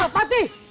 eh ala fatih